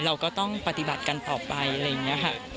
เราก็ต้องปฏิบัติกันต่อไปอะไรอย่างนี้ค่ะ